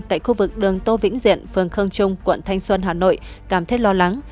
tại khu vực đường tô vĩnh diện phường khương trung quận thanh xuân hà nội cảm thấy lo lắng